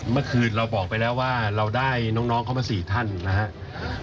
เมื่อคืนเราบอกไปแล้วว่าเราได้น้องเข้ามา๔ท่านนะครับ